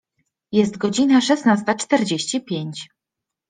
Jest godzina szesnasta czterdzieści pięć.